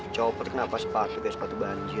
copot kenapa sepatu kayak sepatu banjir